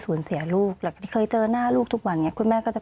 สูญเสียลูกหลักที่เคยเจอหน้าลูกทุกวันเนี่ยคุณแม่ก็จะ